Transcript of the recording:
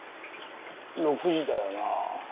６時だよな。